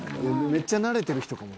「めっちゃ慣れてる人かも」